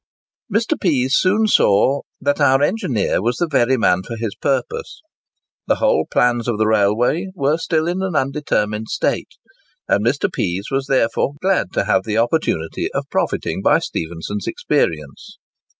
'" Mr. Pease soon saw that our engineer was the very man for his purpose. The whole plans of the railway were still in an undetermined state, and Mr. Pease was therefore glad to have the opportunity of profiting by Stephenson's experience.